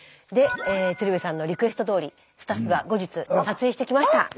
で鶴瓶さんのリクエストどおりスタッフが後日撮影してきました！